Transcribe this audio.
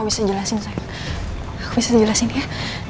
aku bisa jelasin sayang aku bisa jelasin ya